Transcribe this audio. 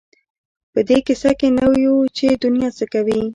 په دې کيسه کې نه یو چې دنیا څه کوي.